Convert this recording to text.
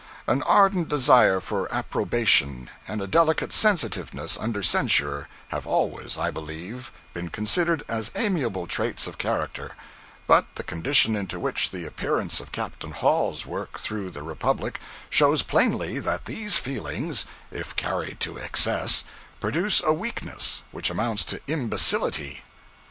An ardent desire for approbation, and a delicate sensitiveness under censure, have always, I believe, been considered as amiable traits of character; but the condition into which the appearance of Captain Hall's work threw the republic shows plainly that these feelings, if carried to excess, produce a weakness which amounts to imbecility.